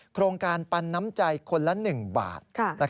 โครงการปันน้ำใจคนละ๑บาท